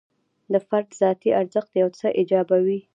د فرد ذاتي ارزښت یو څه ایجابوي.